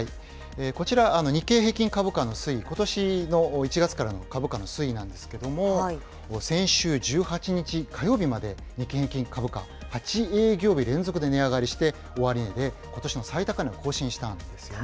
こちら、日経平均株価の推移、ことしの１月からの株価の推移なんですけれども、先週１８日火曜日まで日経平均株価、８営業日連続で値上がりして、終値でことしの最高値を更新したんですよね。